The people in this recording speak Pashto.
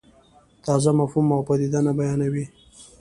تازه مفهوم او پدیده نه بیانوي.